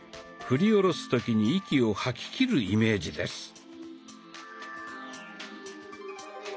振り下ろす時に息を吐ききるイメージです。